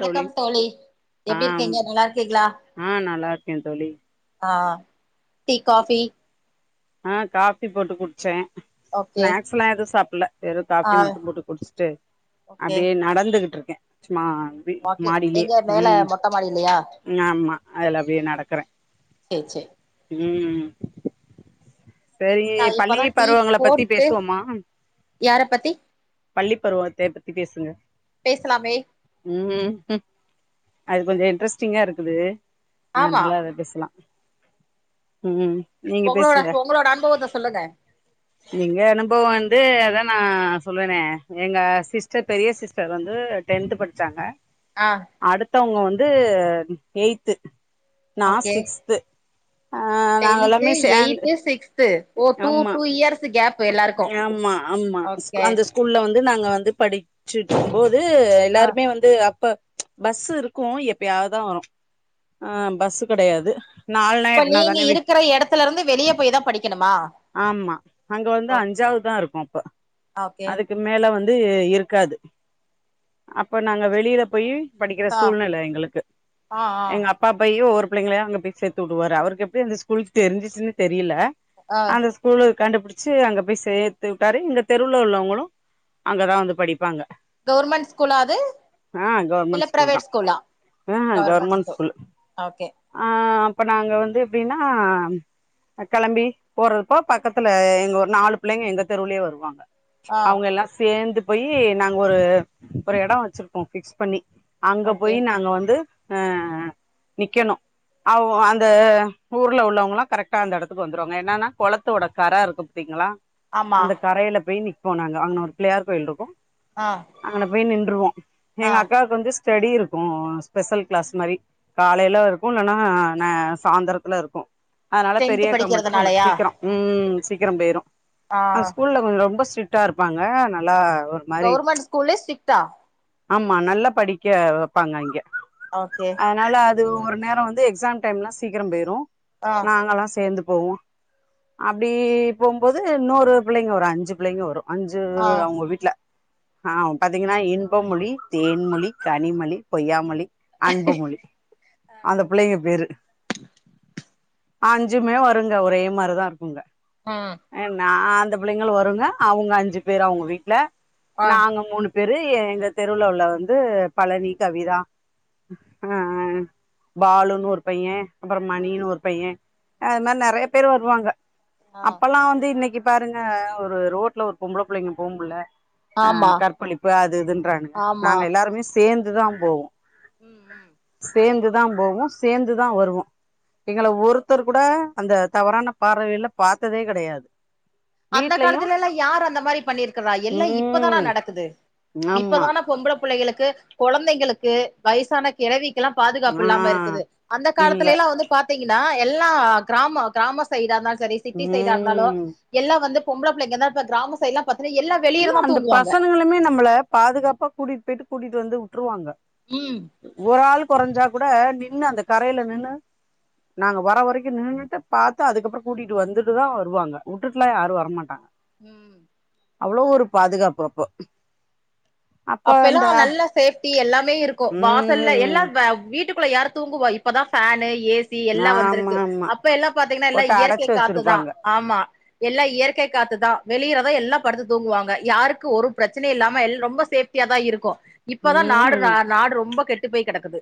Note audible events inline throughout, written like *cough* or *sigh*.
வணக்கம் தோழி ஆ எப்டிருக்கீங்க நல்லாருக்கீங்களா ஆ நல்லா இருக்கே தோழி ஆ டீ காஃபி ஆ காஃபி போட்டு குடிச்சே ஓகே ஸ்நாக்ஸ்லா எதுவு சாப்பிட்ல வெறு ஆ காபி மட்டு போட்டு குடிச்சுட்டு ஓகே அப்டியே நடந்துகிட்டுருக்கே சும்மா அப்டி வாக்கிங் மாடிலயே எங்க மேல ம் மொட்ட மாடிலயா ஆமா அதுல அப்டியே நடக்கறே சேரி சேரி ம் செரி நா பள்ளி இப்பதா டீ பருவங்கள பத்தி போட்டு பேசுவோமா யார பத்தி பள்ளி பருவத்த பத்தி பேசுங்க பேசலாமே ம் அது கொஞ்சோ இன்ட்ரெஸ்ட்டிங்காருக்குது அ ஆமா நல்லா அத‌ பேசலாம் ம் நீங்க உங்களோட பேசுங்க உங்களோட அனுபவத்த சொல்லுங்க எங்க அனுபவோ வந்து அதா நா சொல்வேனே எங்க சிஸ்டர் பெரிய சிஸ்டர் வந்து டென்த் படிச்சாங்க ஆ அடுத்தவங்க வந்து எய்ந்த்து நா சிக்ஸ்து டென்து எய்த்து சிக்ஸ்து ஓ டூ ஆமா டூ இயர்ஸ் கேப் எல்லாருக் ஆமா ஆமா ஸ் அந்த ஸ்கூல்ல வந்து நாங்க வந்து படிச்சுட்டு *inaudible* போது ஆ எல்லாருமே வந் து அப்ப பஸ் இருக்கு எப்பயாவதா வரு ஆ பஸ் கிடையாது இப்ப நீங்க இருக்கிற இடத்துலருந்து வெளிய போய் தா படிக்கணுமா ஆமா அங்க வந்து ஓ அஞ்சாவதுதா இருக்கு அப்ப ஓகே அதுக் கு மேல வந்து இருக்காது அப்ப நாங்க வெளில போய் படிக்கிற ஆ சூழ்நில எங்களுக்கு ஆ ஆ எங்க அப் பா போயி ஒவ்வொரு பிள்ளைங்களயா அங்க போய் சேத்து உடுவாரு அவருக்கு எப்டி அந்த ஸ்கூல் தெரிஞ்சுச்சுன்னு தெரியல ஆ அந்த ஸ்கூல கண்டுபிடிச்சு அங்க போய் சேர்த்து உட்டாரு இங்க தெருவுல உள்ளவங்களு அங்கதா வந்து படிப்பாங்க கவர்மெண்ட் ஸ்கூலா அது ஆ இல்ல கவர்மெண்ட் ஸ்கூல் தா பிரைவேட் ஸ்கூலா ஆ கவர்மன்ட் ஸ்கூல் ஓகே ஆ அப்ப நாங்க வந்து எப்டின்னா களம்பி போறதுப்போ பக்கத்துல இங்க ஒரு நாலு புள்ளெஈங்க எங்க தெருலயே வருவாங்க ஆ அவ்ங்க எல்லா சேந்து போயி நாங்க ஒரு ஒரு எடொம் வெச்சிருக்கோ ஃபிக்ஸ் பண்ணி அங்க ஓகே போயி நாங்க வந்து ஆ ஆ ஆ நிக்கெணு அவ அந்த ஊர்ல உள்ளவங்களா கரட்டா அந்த எடத்துக்கு வந்துருவாங்க எனானா குளத்தோட கர இருக்கு பாத்தீங்களா ஆமா அந்த கரையில போய் நிக் போனாங்க அங்க ஒரு பிள்ளயார் கோயில் இருக்கு ஆ அங்கன போய் நின்றுவோ ஆ எங்க அக்காவுக்கு வந்து ஸ் ஸ்டெடி இருக்கு ஸ்பெஷல் க்ளாஸ் மாரி காலேல இருக்கு இல்லன்னா ந சாந்தெரத்துல இருக்கு அதனால டென்த் பெரிய அக்கா மட்டு கொஞ்சொ படிக்கிறதுனாலயா சீக் ம் சீக்கரொ போயிரு ஆ அந்த ஸ்கூல்ல ஒரு ரொம்ப ஸ்ரிட்டா இருப்பாங்க நல்லா ஒரு மாரி கவர்மண்ட் ஸ்கூலே ஸ்ரிட்டா ஆமா நல்லா படிக்க வெப்பாங்க அங்கெ ஓகே அத்னால அது ஒரு நேரோ வந்து எக்ஸாம் டைம்லா சீக்கெரம் போயிரு ஆ நாங்கெல்லா சேந்து போவோ அப்டி போம்போது இன்னொரு புள்ளெங்க வரு அஞ்சு புள்ளெங்க வரு அஞ்சு ஆ அவ்ங்க வீட்ல ஆ பாத்தீங்கன்னா இன்பமொழி தேன்மொழி கனிமொழி பொய்யாமொழி அன்புமொழி அந்த புள்ளெக பேரு அஞ்சுமே வருங்க ஒரே மாரிதா இருக்குங்க ம் எ நா அந்த புள்ளெங்களு வருங்க அவ்ங்க அஞ்சு பேர் அவ்ங்க வீட்ல ஆ நாங்க மூணு பேரு எங்க தெருவுல உள்ள வந்து பழனி கவிதா ஆ ஆ பாலு ன்னு ஒரு பைய அப்பறொ ம் மணின்னு ஒரு பைய ம் அது மாரி நறையா பேர் வருவாங்க ஆ அப்பெல்லா வந்து இன்னெக்கி பாருங்க ஒரு ரோட்ல ஒரு பொம்பள புள்ளெங்க போம்முட்ல ஆ ஆமா கற்பழிப்பு அது இதுன்றாங்க ஆமா நாங்க எல்லாருமே சேந்துதா போவோ ம் ம் சேந்துதா போவோ சேந்துதா வருவோ எங்கள ஒருத்தர் கூட அந்த தவறான பார்வையில பாத்ததே கெடையாது அந்த வீட்லயு காலத்துல எல்லா யார் அந்த மாரி பண்ணிருக்கறா எல்லா இப்பதானா ம் நடக்குது ஆமா இப்பதான பொம்பள புள்ளைகளுக்கு கொழந்தைங்களுக்கு வய்சான கெழவிக்கெல்லா பாதுகாப்பு ஆ இல்லாம இருக்குது அந்த இல்ல காலத்துல எல்லா வந்து பாத்தீங்கன்னா எல்லா க்ராமொ க்ராம சைடா இருந்தாலு செரி சிட்டி சைடா இருந்தாலு ம் எல்லா வந்து பொம்பள புள்ளெங்கதா இப்ப க்ராம சைட்லா பாத்தனா எல்லா இல்ல வெளியேதா அந்த தூங்குவாங்க பசங்களுமே நம்மள பாதுகாப்பா கூட்டிட்டு போய்ட்டு கூட்டிட்டு வந்து உட்டுருவாங்க ம் ஒரு ஆளு கொறஞ்சா கூட நின்னு அந்த கரைல நின்னு நாங்க வர வரக்கு நின்னுட்டு பாத்தா அதுக்கப்பறொ கூட்டிட்டு வந்துட்டு தா வருவாங்க உட்டுட்டு எல்லா யாரு வரமாட்டாங்க ம் அவ்ளோ ஒரு பாதுகாப்பு அப்போ அப்ப எல்லா நல்லா சேஃப்டி எல்லாமே இருக்கு வாசல்ல ம் எல்லா வ வீட்டுக் குள்ள யாரு தூங்குவா இப்பதா ஃபேனு ஏ சி எல்லா ஆமா வந்திருக்கு ஆமா அப்ப எல்லா பாத்தீங்கன்னா எல்லா போட்டு இயற்கை அடைச்சு காத்துதா வச்சிருப்பாங்க ஆமா எல்லா இயற்கை காத்துதா வெளியறதா எல்லா படுத்து தூங்குவாங்க யாருக்கு ஒரு ப்ரச்சனயு இல்லாம ரொம்ப சேஃப் டியாதா இருக்கோ இப்பதா நாடு ம் நாடு ரொம்ப கெட்டு போய் கடக்குது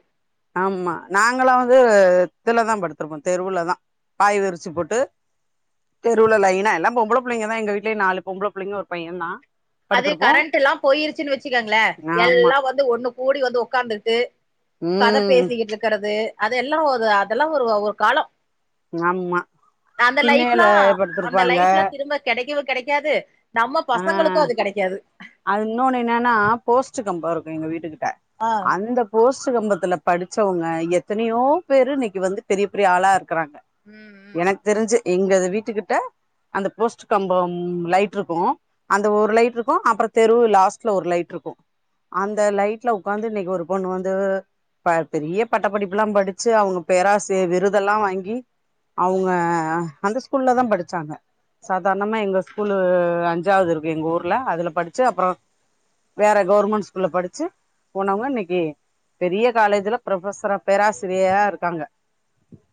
ஆமா நாங்கல்லா வந்து இதுலதா படுத்திருப்போ தெருவுலதா பாய் விறுச்சு போட்டு தெருவுல லைனா எல்லா பொம்பள பிள்ளைங்க தா எங்க வீட்லயே நாலு பொம்பள பிள்ளைங்க ஒரு பையந் தா அது படுத்திருப்போ கரண்ட் எல்லா போயிருச்சுன்னு வச்சுக்கங்களே ஆமா எல்லா வந்து ஒண்ணு கூடி வந்து உக்காந்துட்டு கதை ம் பேசிக்கிட்டு இருக்கறது அதெல்லா ஒரு அதெல்லா ஒரு ஒரு காலோ ஆமா அந்த திண்ணையில லைஃப்லா அந்த படுத்திருப்பாங்க லைஃப்லா திரும்ப கெடைக்கவு கெடைக்காது நம்ம ஆ பசங்களுக்கு அது கெடைக்காது அது வுன்னோன்னு என்னானா போஸ்ட் கம்போ இருக்கு எங்க வீட்டு கிட்ட ஆ அந்த போஸ்ட்டு கம்பத்துல படுச்சவுங்க எத்தனையோ பேரு இன்னக்கி வந்து பெரிய பெரிய ஆளா இருக்கறாங்க ம் ம் தெருஞ்சு எங்கது வீட்டுக்கிட்ட அந்த போஸ்ட் கம்பம் லைட்ருக்கு அந்த ஒரு லைட்ருக்கு அப்பறோ தெருவு லாஸ்ட்ல ஒரு லைட்ருக்கு அந்த லைட்ல உக்காந்து இன்னக்கி ஒரு பொண்ணு வந்து ப பெரிய பட்டப்படிப்பல்லா படுச்சு அவுங்க பேராசியை விருதல்லா வாங்கி அவுங்க அந்த ஸ்கூல்ல தா படுச்சாங்க சாதாரணமா எங்க ஸ்கூல்லு அஞ் சாவது இருக்கு எங்க ஊர்ல அதுல படுச்சு அப்பறோ வேற கவுர்மண்ட் ஸ்கூல்ல படுச்சு போனவுங்க இன்னக்கி பெரிய காலேஜ்ல ப்ரொஃபசரா பேராசிரியயா இருக்காங்க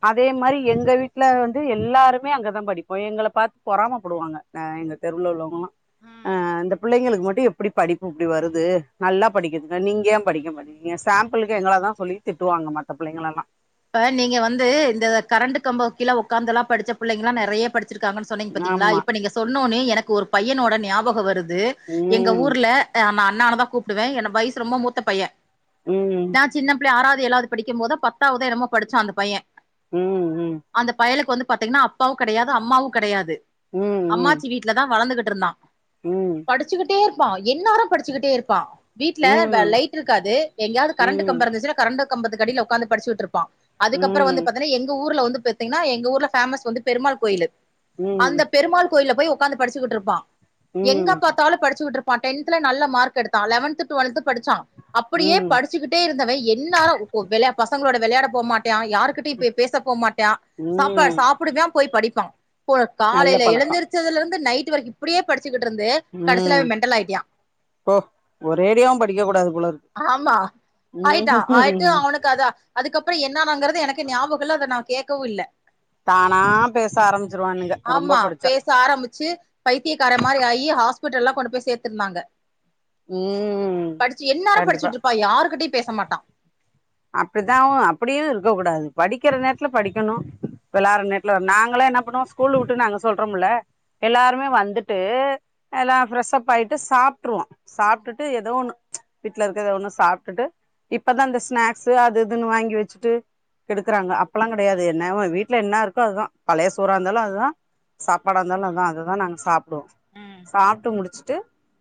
அதே மாரி எங்க வீட்ல வந்து எல்லாருமே அங்கதா படிப்போ எங்கள பாத்து பொறாம படுவாங்க அ எங்க தெருவ்ல உள்ளவுங்களா ம் ஆ இந்த பிள்ளைங்களுக்கு மட்டு எப்டி படிப்பு இப்டி வருது நல்லா படிக்குதுங்க நீங்க ஏ படிக்க மாட் றீங்க சாம்பிளுக்கு எங்கள தா சொல்லி திட்டுவாங்க மத்த பிள்ளைங்களல்லா இப்ப நீங்க வந்து இந்த கரண்ட் கம்போ கீழ உக்காந்தல்லா படுச்ச பிள்ளைங்கல்லா நெறைய படு சுருக்காங்கன் சொன்னீங்க பாத்தீங்களா ஆமா இப்ப நீங்க சொன்னோனே எனக்கு ஒரு பையனோட ஞாபகொ வருது ம் எங்க ஊர்ல நா நா அண்ணான் தா கூப்டுவே எனக் வயசு ரொம்ப மூத்த பையே ம் நா சின்ன பிள்ள ஆறாவது ஏழாவது படிக்கும் போதுதா பத்தாவதோ என்னமோ படுச்சா அந்த பையே ம் ம் அந்த பயலுக்கு வந்து பாத்தீங்கன்னா அப்பாவு கெடையாது அம்மாவு கெடையாது ம் ம் அம்மாச்சி வீட்ல தா வளந்துகிட்ருந்தா ம் ம் படுச்சுக்கிட்டே டே இருப்பா என்னாரு படுச்சுக்கிட்டே இருப்பா வீட்ல வ ம் லைட் இருக்காது எங்கயாவது கரண்ட் ம் கம்பொ இருந்துச்சுனா கரண்டு கம்பத்துக் அடில உக்காந்து படுச்சுட்ருப்பா அதுக்கப்பறோ வந்து பாத்தீங்கன்னா எங்க ஊர்ல வந்து பாத்தீங்கன்னா எங்க ஊர்ல பேமஸ் வந்து பெருமாள் கோயிலு அந்த ம் பெருமாள் கோயில்ல போய் உ உக்காந்து படுச்சுக்கிட்ருப்பா எங்க பாத் தாலு படுச்சுட்ருப்பா டென்த்துல நல்ல மார்க் எடுத்தா லவன்த்து டுவல்த்து படுச்சா அப்டியே ம் படு ச்சுக்கிட்டே இருந்தவே என்னாரோ ஒ வெள பசங்களோட வெளையாட போமாட்டியா யாருக்கிட் டயு போய் பேச போ மாட்டியா ம் சாப்பாடூ ம் சாப்புடுவியா போய் படிப்பா பு நல்ல காலேல பழக்கம் எழுந்துரு ச்சதுல இருந்து நைட் வரைக்கு இப்டியே படுச்சுக்கிட்ருந்து கடசீல ம் அவெ மெண்டல் ஆய்ட்டியா போ ஒரேடியாவு படிக்க கூடாது போலருக்கு ஆமா ஆயிட்டா ஆய்ட்டு அவனுக்கு அத அதுக்கப்பறோ என்னானாங்கிறது எனக்கு ஞாபகோ இல்ல அத நா கேக்கவு இல்ல தானா பேச ஆரம்பிச்சிருவானுங்க ரொம்ப படுச்சா ஆரம்முச்சு பைத்தியகார மாரி ஆயி ஹாஸ்பிட்டல்லா கொண்டு போய் சேத்துருந்தாங்க ம் படிச்சு என்னேர கண்டிப்பா படிச்சுட்டு இருப்பா யாருக்கிட்டயு பேச மாட்டா அப்டித்தாவு அப்டியு இருக்க கூடாது படிக்கிற நேரத்துல படிக்கணு வெளார்ர நேட்ல வரு நாங்களா என்ன பண்ணுவோ ஸ்கூல்லல உட்டு நாங்க சொல்றோம்ல எல்லாருமே வந்துட்டு எல்லா ஃப்ரெஷ்ப் ஆய்ட்டு சாப்ட்ருவோ சாப்ட்டுட்டு எதோ ஒண்ணு வீட்ல இருக்க எதோ ஒண்ணு சாப்ட்டுட்டு இப்பதா இந்த ஸ்நாக் ஸு அது இதுன்னு வாங்கி வெச்சிட்டு இருக்குறாங்க அப்பல்லா கடையாது என்னவோ வீட்ல என்ன இருக்கோ அதுதா பழைய சோறா இருந்தாலு அதுதா சாப்பாடாஇருந்தாலு அதா அதுதா நாங்க சாப்டுவோ ம் சாப்ட்டு முடிச்சுட்டு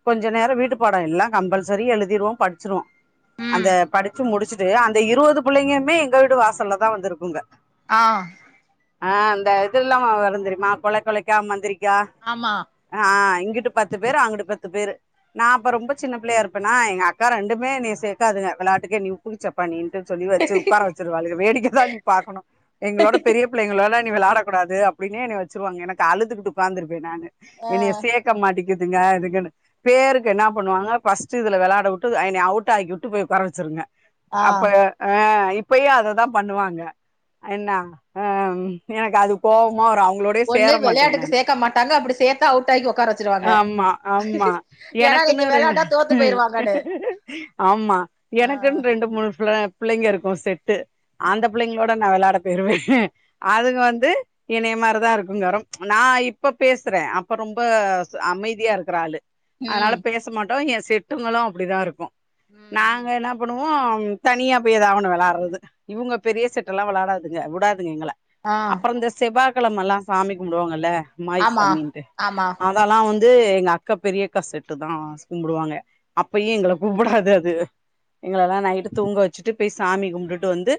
கொஞ்ச நேரோ வீட்டுப் பாடோ எல்லா கம்பல்சரி எழுதிருவோ படிச்சுருவோ அந்த ம் படிச்சு முடிச்சுட்டு அந்த இருவது புள்ளைங்கமே எங்க வீட்டு வாசல்லதா வந்துருக்குங்க ஆ ஆ அந்த இதுல்லா வருதெரிமா கொளைக் கொளைக்கா முந்திரி மா ஆமா ஆ இங்கிட்டு பத்து பேரு அங்குட்டு பத்து பேரு நா அப்ப ரொம்ப சின்ன பிள்ளையா இரு ப்பனா எங்க அக்கா ரெண்டுமே என்னய சேக்காதுங்க வெளாட்டுக்கு நீ உப்புக்குசப் பண்ணீன்ட்டு சொல்லி வச்சு உக்கார வச்சிருவாளுக வேடிக்க தா நீ பாக்கணு எங்களோட பெரிய பிள்ளேங்களோட நீ வெளாட கூடாது அப்டினே என்ன வச்சிருவாங்க எனக்கு அழுதுகிட்டு உக்காந்துருப்பே நானு என்னய சேக் க மாட்டிக்குதுங்க இதுங்கனு பேருக்கு என்ன பண்ணுவாங்கனா ஃபஸ்டு இதுல வெளாட வுட்டு என்னய அவுட் ஆக்கி விட்டு போய் உக்கார வச்சிருங்க ஆ அப்ப ஆ இப்பயு அததா பண்ணுவாங்க என்ன அ எனக்கு அது கோவமா வரு அவங்களோ ஒன்னு வெளையாட்டுக்கு சேக்க மாட்டாங்க அப்டி சேத்தா அவுட் ஆக்கி ஒக்கார வச்சிருவாங்க ஏன்னா நீங்க எனக்குனு ரெண்டு வெளையாண்டா தோத்து போயிருவாங்கன்னு ஆமா ஆ எனக்குனு ரெண் ரெண்டு மூணு ஃபள பிள்ளேங்க இருக்கு செட்டு அந்த பிள்ளேங்களோட நா வெளாட போய்ருவ அதுங்க வந்து எனைய மாரிதா இருக்குங்க ரோ நா இப்ப பேசற அப்ப ரொம்ப அமைதியா இருக்குற ஆளு அதனால ம் பேச மாட்டோ எ செட்டுங்களு அப்டிதா இருக்கு ம் ம் நாங்க என்னா வோ தனியா போய் எதாவொன்னு வெளாட்றது இவங்க பெரிய செட்டெல்லா விளாடாதுங்க விடாதுங்க எங்கள ஆ அப்புறோ இந்த செவ்வாக்கெழமல்லா சாமி கும்டுவாங்கல்ல மாயி ஆமா சாமீன்ட்டு ஆமா அ தல்லா வந்து எங்க அக்கா பெரியக்கா செட்டு தா கும்புடுவாங்க அப்பய எங்கள கூப்படாது அது எங்களல்லா நைட்டு தூங்க வச்சிட்டு போய் சாமி கும்டுட்டு வந்து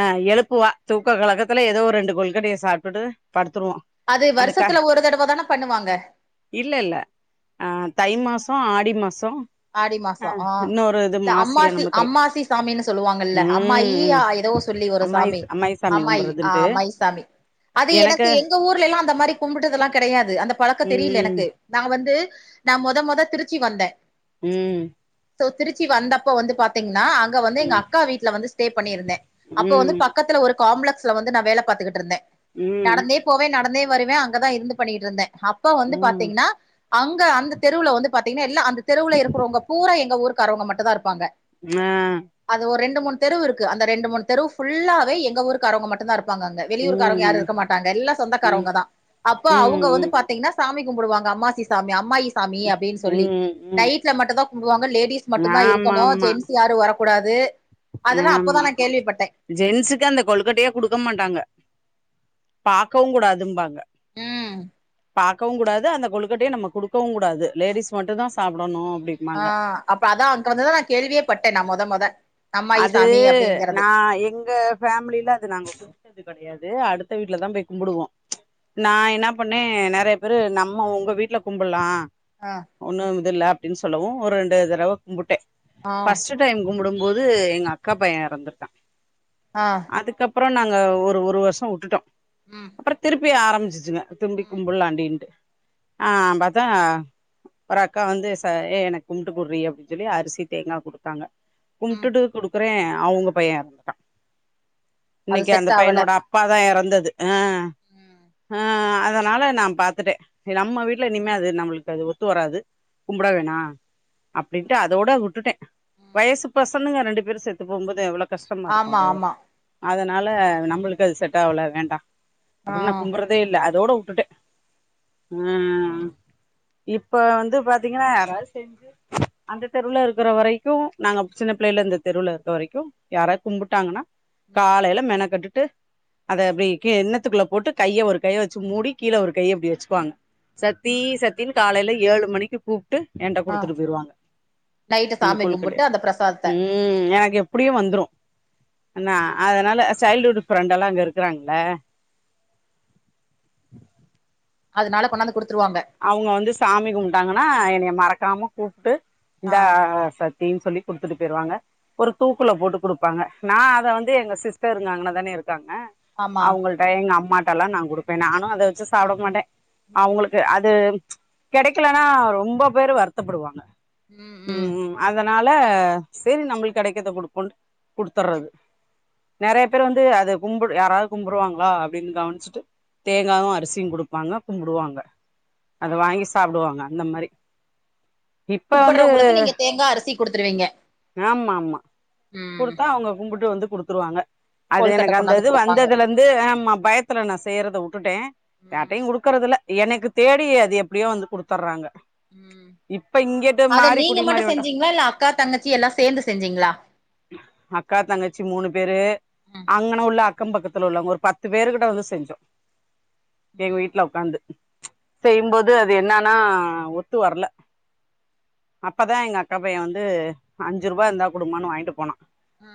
ஆ எழுப்புவா தூக்க கலக்கத்துல ஏதோ ரெண்டு கொழுகட்டய சாப்ட்டுட்டு படுத்துருவோ அது அந்த க வருஷத்துல ஒரு தடவ தான பண்ணுவாங்க இல்ல இல்ல தை மாசோ ஆடி மாசோ ஆடி மாசோ ஆ இன்னொரு இது இந்த மாசி அம்மாசி என்னமத்துல அம்மாசி சாமினு சொல்லுவாங்கல்ல ம் ம் அம்மாயியா எதோ சொல்லி ஒரு அம்மாயி சாமி சாமி அம்மாயி ஆ கும்புறதுன்ட்டு அம்மாயி சாமி அது எனக்கு எங்க ஊர்லலா அந்த மாரி கும்புட்டதெல்லா கெடையாது அந்த பழக்கோ தெரியல ம் எனக்கு நா வந்து நா மொதோ மொதோ திருச்சி வந்த ம் சோ திருச்சி வந்தப்ப வந்து பாத்தீங்கனா அங்க வந்து எங்க அக்கா வீட்ல வந்து ஸ்டே பண்ணிருந்தே அப்ப வந்து ம் பக் க்கத்துல ஒரு காம்ப்ளெக்ஸ்ல வந்து நா வேல பாத்துக்கிட்டு இருந்த ம் நடந்தே போவே நடந்தே வருவே அங்கதா இருந்து பண்ணிட்டு இருந்தே அப்ப வந்து ம் ம் பாத்தீங்கன்னா அங்க அந்த தெருவுல வந்து பாத்தீங்ன்னா எல்லா அந்த தெருல இருக்குறவுங்க பூரா எங்க ஊருக்காரவங்க மட்டுந்தா இருப்பாங்க ம அது ஒர் ரெண்டு மூண் தெருவு இருக்கு அந்த ரெண்டு மூண் தெருவு ஃபுல்லாவே எங்க ஊருக்காரவுங்க மட்டுந்தா இருப் வாங் அங்க ம் வெளியூர்க்காரங்க யாரு ம் இருக்க மாட்டாங்க எல்லா சொந்தக்காரவுங்க தா அப்ப அவுங்க வந்து ம் ம் பாத் திங்னா சாமி கும்புடுவாங்க அம்மாசி சாமி அம்மாயி சாமி அப்டின் சொல்லி ம் ம் நைட்ல மட்டுந்தா கும்டுவாங்க லேடிஸ் மட்டுந்தா இருக்கணு ஜென்ஸ் யாரு வரக்கூடாது அதெல்லாம் நேமா அப்பதான் நான் கேள்விப்பட்டேன் ஜென்ஸுக்கு அந்த கொலுகட்டயே குடுக்க மாட்டாங்க பாக்கவு கூடாதும்பாங்க அ பாக்கவுங்கூடாது அந்த கொழுகட்டய நம்ம குடுக்கவுங்கூடாது லேடிஸ் மட்டுந்தா சாப்டணு அப்டி ஆ அப்ப அதா அங்க வந்துதா நா கேள்வியே பட்டே நா மொத மொத அது நா எங்க ஃபேம்லில அது நாங்க கும்ட்டது து கடையாது அடுத்த வீட்ல தா போய் கும்புடுவோ நா என்னா பண்ணே நெறைய பேரு நம்ம ஒங்க வீட்ல கும்புட்லா அ ஒன்னு இது இல்ல அப்டின் சொல்லவு ஒரு ரெண்டு தரவ கும்புட்டே ஆஹ் ஃபஸ்ட்டு டைம் கும்புடும்போத் து எங்க அக்கா பைய்ய எறந்துட்டா அ அதுக்கப்ற நாங்க ஒரு ஒரு வருஷ உட்டுட்டோ ம் ப்ற திருப்பி ஆரம்பிச்சிச்சுங்க திரும்பி கும்புட்லாண்டின்ட்டு ஆ பாத்தா ஒரு அக்கா வந்து ச ஏ எனக்கு கும்ப்ட்டு குர்ரீ அப்டின் சொல்லி அரிசி தேங்காய் குடுத்தாங்க உம் கும்ட்டுட்டு குடுக்குறே அவுங்க பைய எறந்த அது இன்னக்கி அந்த செட் ஆவல பையனோட அப்பாதா எறந்தது அ உம் அ அதனால நா பாத்துட்டே நம்ம வீட்ல இனிமே அது நம்மளுக்கு அது ஒத்து வராது கும்புட வேணா அப்டின்ட்டு அதோட உட்டுட்டே உம் வயசு பசனுங்க ரெண்டு பேரு செத்து போகுபோது எவ்ளோ கஷ்டமாருக்கு ஆமா அப ஆமா அதனால நம்பளுக்கு அது செட் ஆகல வேண்டா அப்புன் ஆஹ் கும்புற்றத் தே இல்ல அததோட உட்டுட்ட அ இப்ப வந்து பாத்தீங்கன்னா யாவது செஞ்சு அந்த தெருவுல இருக்குற வரைக்கு நாங்க சின்ன பிள்ளைல இந்த தெருல இருக்க வரைக்கு யாராத் கும்புட்டாங்கனா உம் காலைல மென கட்டுட்டு அதை அப்டி கே இண்ணத்துக்குள்ள போட்டு கைய ஒரு கைய வச்சு மூடி கீழ ஒரு கையப்டி வச்சுக்வாங்க சத்தி சத்தனு காலைல ஏழு மணிக்கு கூப்ட்டு ஏன்ட ஆ குடுத்துட்டு போயிடுவாங்க அந்த கொழுக்கட்ய இந்த பிரசாதத்த ம் எனக்கு எப்டியு வந்துரு அன்ன அத னால சைல்டு ஹுட் ஃப்ரெண்டல்லா அங்க இருக்குறாங்கள்ள அதுனால கொண்டாந்து குடுத்துருவாங்க அவுங்க வந்து சாமி கும்ட்டாங்கன்னா என்னைய மறக்காம கூப்ட்டு இந்தா ச தீன் சொல்லி குட்த்துரு போய்ருவாங்க ஒரு தூக்குல போட்டு குடுப்பாங்க நா அத வந்து எங்க சிஸ்டர்ருங்க அங்ன்ன தானே இருக்காங்க ஆமா அவுங்கள்ட்ட எங்க அம்மாட்டலா நா குடுப்பே நானு அத வச்சு சாப்ட மாட்டே ம் அவுங்ளுக் அது கெடக்கிலனா ரொம்ப பேரு வருத்தப்படுவாங்க ம் ம் ம்ம் அதனால சரி நம்ப்ளுக் கெடைக்ற்த குடுப்போண்டு குடுத்தற்றது நெறைய பேர் வந்து அத கும்பிடு யாராவ்து கும்புருவாங்ளா அப்டின்னு கவுன்ச்ட்டு ம் தேங்காவு அரிசியு குடுப்பாங்க கும்புடுவாங்க அத வாங்கி சாப்புடுவாங்க அந்த மாரி இப்ப வந்து கும்புட்றவங்களுக்கு நீங்க தேங்கா அரிசி குடுத்துருவீங்க ஆமாமா ம் குடுத்தா அவங்க கும்புட்டு வந்து குடுத்துருவாங்க அது கொழுக்கட்ட எனக்கு அந்த கொண்டாந்து இது குடுப்பாங்க வந்ததுலருந்து ஆமா பயத்துல நா செய்யறத உட்டுட்டே ம் யார்ட்டையு குடுக்குறதுல்ல எனக்கு தேடி அது எப்டியோ வந்து குடுத்துட்றாங்க ம் இப்ப இங்கேட்டு அத மாறி நீங்க குடி மட்டு மாறி வண்டோ செஞ்சீங்களா இல்ல அக்கா தங்கச்சி எல்லா சேந்து செஞ்சீங்ளா அக்கா தங்கச்சி மூணு பேரு ம் அங்கன உள்ள அக்கோ பக்கத்துல உள்ளவங்க ஒரு பத்து பேரு கிட்ட வந்து செஞ்சோ எங்க ம் வீட்டல உக்காந்து செய்யும்போது அது என்னன்னா ஒத்து வரல அப்பதா எங்க அக்கா பையே வந்து அஞ்சு ரூபாயா இருந்தா குடுமான்னு வாங்கிட்டு போனா ஆ